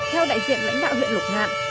theo đại diện lãnh đạo huyện lục hạn